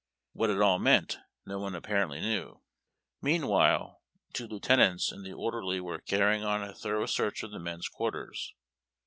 What it all meant no one aj^parently knew. Meanwhile, two lieutenants and the orderly were carrj'ing on a thorough search of the men's quarters.